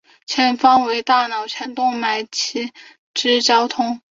前方为大脑前动脉及其交通支。